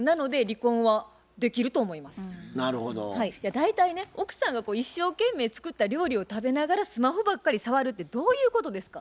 大体ね奥さんが一生懸命作った料理を食べながらスマホばっかり触るってどういうことですか？